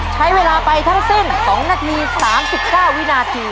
ใช้เวลาไปทั้งสิ้น๒นาที๓๙วินาที